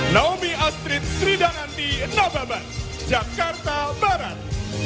naomi astrid sridharanti nababan jakarta barat